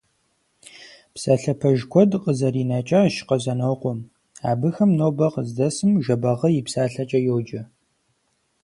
Псалъэ пэж куэд къызэринэкӀащ Къэзанокъуэм, абыхэм нобэр къыздэсым Жэбагъы и псалъэкӀэ йоджэ.